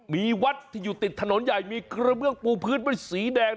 มีวัดที่อยู่ติดถนนใหญ่มีเครื่องเมืองปู่พื้นมันสีแดง